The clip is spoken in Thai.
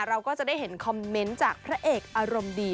เราก็จะได้เห็นคอมเมนต์จากพระเอกอารมณ์ดี